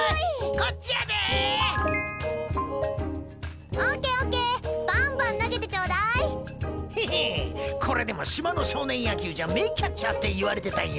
これでも島の少年野球じゃ名キャッチャーって言われてたんよ。